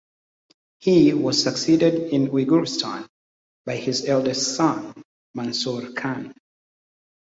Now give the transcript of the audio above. He was succeeded in Uyghurstan by his eldest son Mansur Khan.